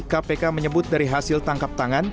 kpk menyebut dari hasil tangkap tangan